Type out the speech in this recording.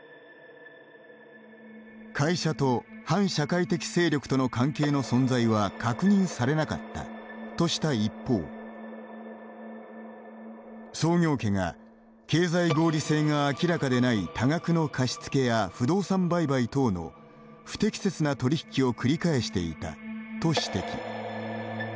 会社と反社会的勢力との関係の存在は確認されなかったとした一方創業家が経済合理性が明らかでない多額の貸し付けや不動産売買等の不適切な取り引きを繰り返していたと指摘。